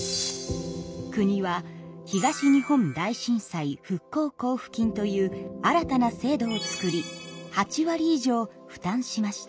国は東日本大震災復興交付金という新たな制度を作り８割以上負担しました。